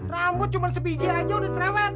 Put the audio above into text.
rambut cuma sebiji aja udah cerewet